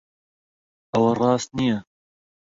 ئەوە ڕاست نییە.